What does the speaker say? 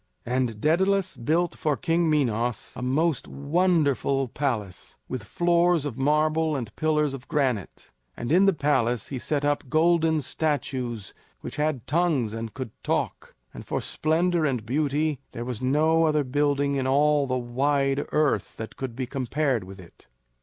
And Daedalus built for King Minos a most wonderful palace with floors of marble and pillars of granite; and in the palace he set up golden statues which had tongues and could talk; and for splendor and beauty there was no other building in all the wide earth that could be compared with it.